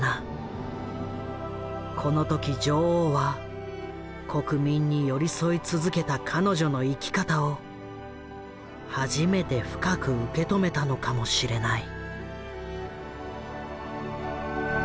この時女王は国民に寄り添い続けた彼女の生き方を初めて深く受け止めたのかもしれない。